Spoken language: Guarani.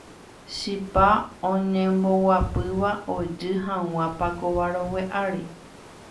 chipa oñemboguapýva ojy hag̃ua pakova rogue ári.